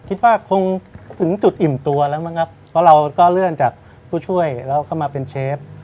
คิดว่าคงถึงจุดอิ่มตัวแล้วมั้งครับเพราะเราก็เลื่อนจากผู้ช่วยแล้วก็มาเป็นเชฟ